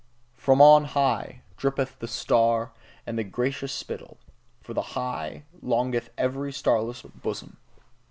"From on high," drippeth the star, and the gracious spittle; for the high, longeth every starless bosom.